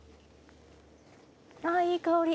あいい香り！